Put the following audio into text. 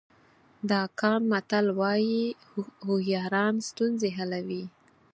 د اکان متل وایي هوښیاران ستونزې حلوي.